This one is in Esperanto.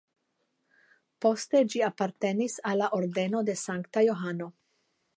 Poste ĝi apartenis al la Ordeno de Sankta Johano.